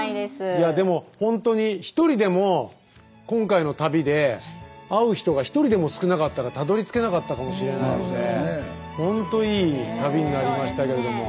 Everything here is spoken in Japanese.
いやでもほんとに一人でも今回の旅で会う人が一人でも少なかったらたどりつけなかったかもしれないのでほんといい旅になりましたけれども。